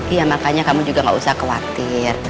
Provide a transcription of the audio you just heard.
iya makanya kamu juga gak usah khawatir